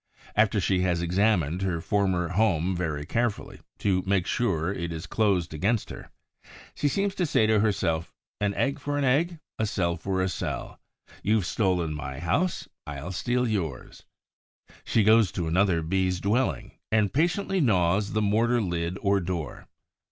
After she has examined her former home very carefully, to make sure it is closed against her, she seems to say to herself, "An egg for an egg, a cell for a cell. You've stolen my house; I'll steal yours." She goes to another Bee's dwelling and patiently gnaws the mortar lid or door.